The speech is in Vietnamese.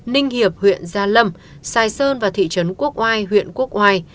ninh hiệp huyện gia lâm sài sơn và thị trấn quốc oai huyện quốc oai